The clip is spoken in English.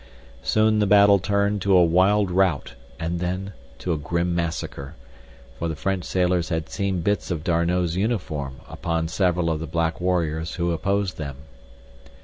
Soon the battle turned to a wild rout, and then to a grim massacre; for the French sailors had seen bits of D'Arnot's uniform upon several of the black warriors who opposed them.